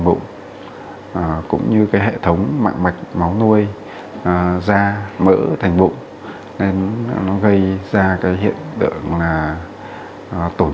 bụng cũng như cái hệ thống mạng mạch máu nuôi da mỡ thành bụng nên nó gây ra cái hiện tượng là tổn